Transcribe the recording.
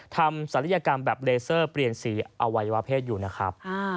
ศัลยกรรมแบบเลเซอร์เปลี่ยนสีอวัยวะเพศอยู่นะครับ